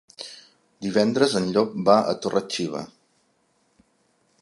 Divendres en Llop va a Torre-xiva.